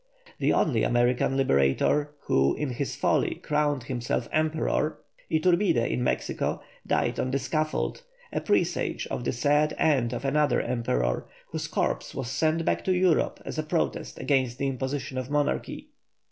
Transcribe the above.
The only American liberator who in his folly crowned himself emperor Iturbide in Mexico died on the scaffold, a presage of the sad end of another emperor, whose corpse was sent back to Europe as a protest against the imposition of monarchy.